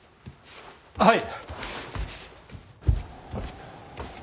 はい。